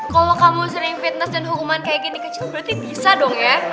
kalau kamu sering fitness dan hukuman kayak gini kecil berarti bisa dong ya